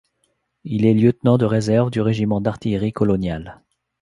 Il est lieutenant de réserve du Régiment d’artillerie coloniale.